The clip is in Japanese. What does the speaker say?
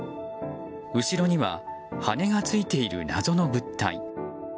後ろには羽がついている謎の物体。